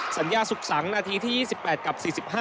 สัญญาสุขสังนาทีที่๒๘กับ๔๕